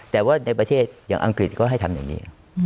แต่ว่าในประเทศอย่างอังกฤษก็ให้ทำอย่างนี้